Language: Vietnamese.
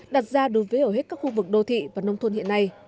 đặt ra đối với ở hết các khu vực đô thị và nông thôn hiện nay